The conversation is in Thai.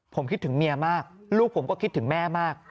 ผมคิดถึงเมียมากลูกผมก็คิดถึงแม่มาก